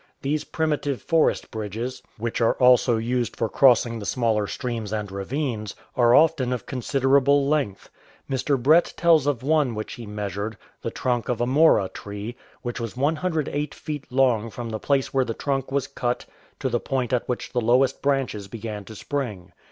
These primitive forest bridges, which are also used for crossing the smaller streams and ravines, are often of considerable length. Mr. Brett tells of one which he measured, the trunk of a mora tree, which was 108 feet long from the place where the trunk was cut to the point at which the lowest branches began to spring.